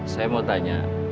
saya mau tanya